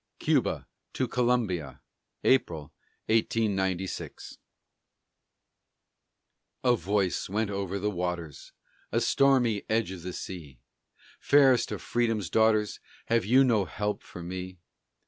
CUBA TO COLUMBIA [April, 1896] A voice went over the waters A stormy edge of the sea Fairest of Freedom's daughters, Have you no help for me?